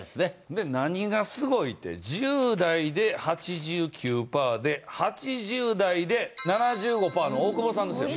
何がすごいって１０代で８９パーで８０代で７５パーの大久保さんですよ。